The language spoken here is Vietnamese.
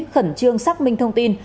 khẩn trương xác minh thông tin